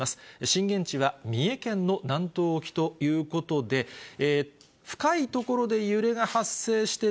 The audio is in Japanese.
震源地は三重県の南東沖ということで、深い所で揺れが発生して、